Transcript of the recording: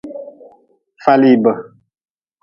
Falibi.